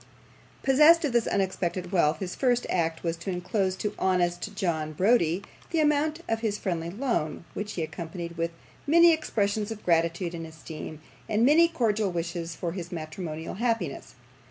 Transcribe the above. Possessed of this unexpected wealth, his first act was to enclose to honest John Browdie the amount of his friendly loan, which he accompanied with many expressions of gratitude and esteem, and many cordial wishes for his matrimonial happiness.